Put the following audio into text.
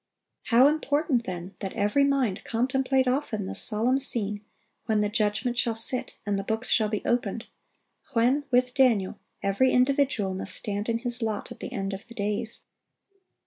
How important, then, that every mind contemplate often the solemn scene when the judgment shall sit and the books shall be opened, when, with Daniel, every individual must stand in his lot, at the end of the days.